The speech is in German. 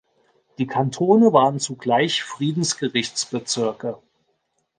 Die Kantone waren zugleich Friedensgerichtsbezirke.